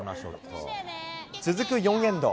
続く４エンド。